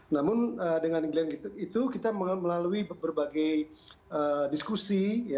namun dengan glenn itu kita melalui berbagai diskusi